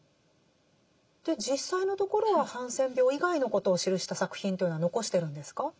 で実際のところはハンセン病以外のことを記した作品というのは残してるんですか？